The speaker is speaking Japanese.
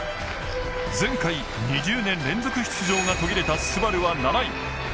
前回２０年連続出場が途切れたＳＵＢＡＲＵは７位。